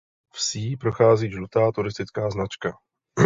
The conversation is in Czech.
Vsí prochází žlutá turistická značka.